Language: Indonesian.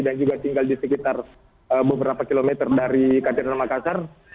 dan juga tinggal di sekitar beberapa kilometer dari katedral makassar